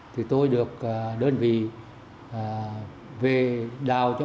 thì tôi được đơn vị về đào cho